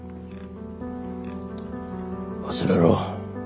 忘れろ。